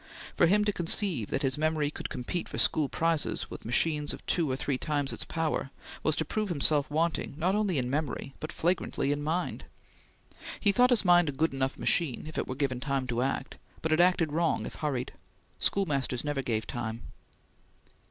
For him to conceive that his memory could compete for school prizes with machines of two or three times its power, was to prove himself wanting not only in memory, but flagrantly in mind. He thought his mind a good enough machine, if it were given time to act, but it acted wrong if hurried. Schoolmasters never gave time.